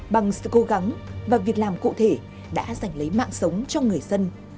bằng sự cố gắng và việc làm cụ thể đã dành lấy mạng sống cho người dân